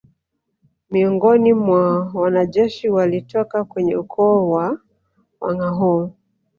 Miongoni mwa wanajeshi walitoka kwenye ukoo wa Wangâhoo